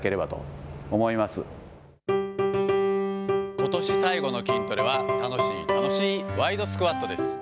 ことし最後の筋トレは、楽しい楽しいワイドスクワットです。